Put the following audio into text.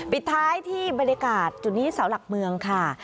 ปิดท้ายที่บรรยากาศจุดนี้เสาหลักเมืองค่ะ